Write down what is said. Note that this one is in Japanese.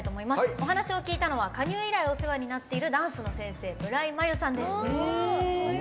お話を聞いたのは加入以来お世話になっているダンスの先生ムライマユさんです。